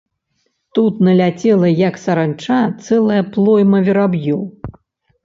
Тут наляцела, як саранча, цэлая плойма вераб'ёў.